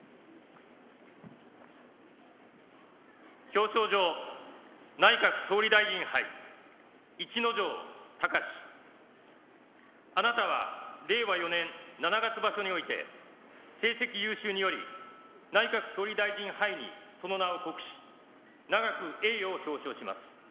表彰状内閣総理大臣杯逸ノ城駿あなたは令和４年七月場所において成績優秀により内閣総理大臣杯にその名を刻し永く名誉を表彰します。